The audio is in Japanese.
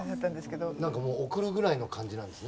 なんかもう送るぐらいの感じなんですね。